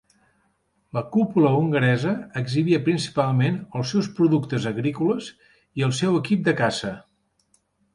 La cúpula hongaresa exhibia principalment els seus productes agrícoles i el seu equip de caça.